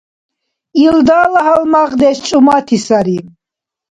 Илдала гьалмагъдеш чӀумати сари.